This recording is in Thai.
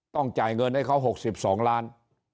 จ่ายเงินให้เขา๖๒ล้าน